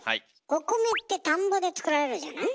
お米って田んぼで作られるじゃない？